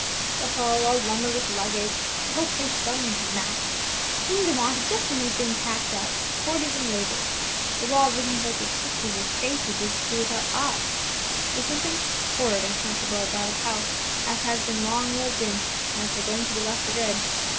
"The hall all lumbered with luggage; the whole place smelling of matting; things awanted just when they've been packed up, corded, and labelled; the walls looking without their pictures as faces would do without eyes, there is something horrid uncomfortable about a house as has been long lived in when it's agoing to be left for good.